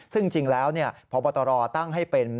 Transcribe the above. ซึ่งจริงแล้วพบตรตั้งให้เป็น